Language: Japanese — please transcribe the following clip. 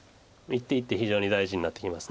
一手非常に大事になってきます。